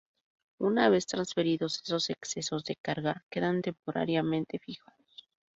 Una vez transferidos, esos excesos de carga quedan temporariamente fijados.